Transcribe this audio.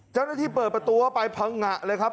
เจ้าหน้าที่เปิดประตูเข้าไปพังงะเลยครับ